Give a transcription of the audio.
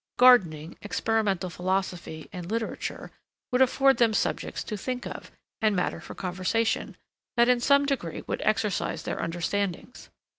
Gardening, experimental philosophy, and literature, would afford them subjects to think of, and matter for conversation, that in some degree would exercise their understandings.